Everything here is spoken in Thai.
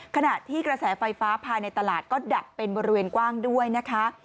ขณะที่กระแสไฟฟ้าภายในตลาดก็ดับเป็นบริเวณกว้างด้วยนะคะ